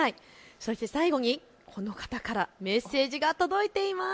そして最後にこの方からメッセージが届いています。